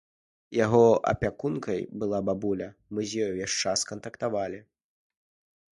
Яго апякункай была бабуля, мы з ёй увесь час кантактавалі.